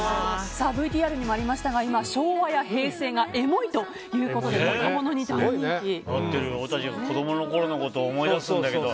ＶＴＲにもありましたが今、昭和や平成がエモいということで若者に大人気なんですよね。